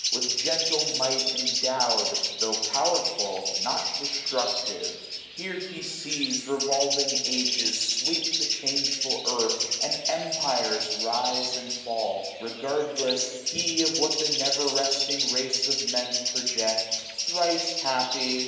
vnth gentle might endowM ; ITio' powerful, not destructive ! Here he sees SUMMER. 77 Revolving ages sweep the changeful earth. And empires rise and fall ; regardless he 725 Of what the never resting race of Men Project : thrice happy